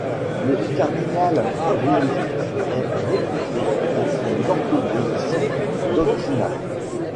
Le cardinal Ruini est réputé pour son orthodoxie doctrinale.